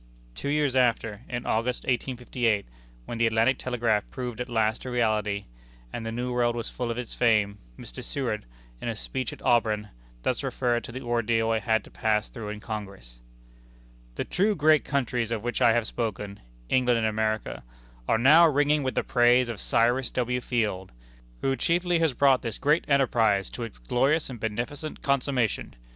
Two years after in August, 1858 when the Atlantic Telegraph proved at last a reality, and the New World was full of its fame, Mr. Seward, in a speech at Auburn, thus referred to the ordeal it had to pass through in Congress: "The two great countries of which I have spoken, [England and America,] are now ringing with the praises of Cyrus W. Field, who chiefly has brought this great enterprise to its glorious and beneficent consummation.